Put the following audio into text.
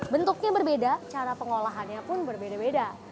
bentuknya berbeda cara pengolahannya pun berbeda beda